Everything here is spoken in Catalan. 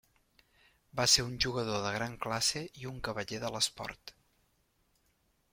Va ser un jugador de gran classe i un cavaller de l'esport.